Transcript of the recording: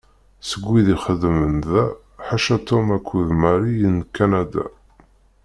Seg wid ixeddmen da, ḥaca Tom akked Mary i n Kanada.